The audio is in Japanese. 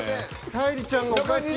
沙莉ちゃんがおかしい。